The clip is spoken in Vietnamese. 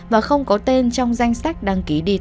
và không có tên trong danh sách đáng nhớ